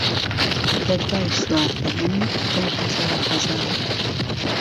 له دوای سوار دهبن ئهو ههزار ههزار